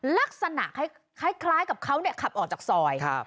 ลักษณะให้คล้ายกับเขาเนี้ยขับออกจากซอยครับ